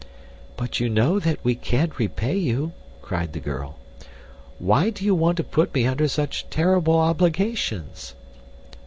"But you know that we can't repay you," cried the girl. "Why do you want to put me under such terrible obligations?"